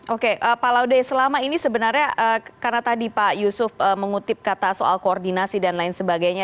oke pak laude selama ini sebenarnya karena tadi pak yusuf mengutip kata soal koordinasi dan lain sebagainya